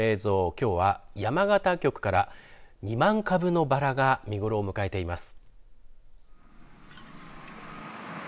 きょうは山形局から２万株のばらが見頃を迎えています。